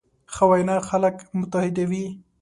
ښه وینا خلک متحدوي.